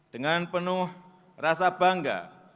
dengan penuh rasa bangga